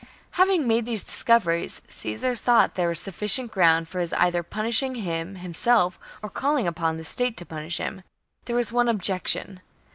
Having made these 58 b.c. discoveries, Caesar thought that there was suffi cient ground for his either punishing him himself or calling upon the state to punish him. There vi^as one objection.